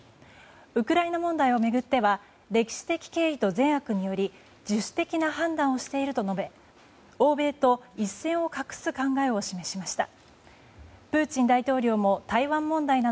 ウクライナ問題を巡っては歴史的経緯と善悪により自主的な判断をしていると述べ欧米と一線を画す考えを示しました。